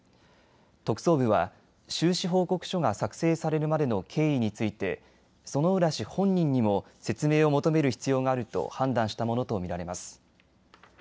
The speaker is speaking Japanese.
特捜部は収支報告書が作成されるまでの経緯について薗浦氏本人にも説明を求める必要があると判断したものと見られます。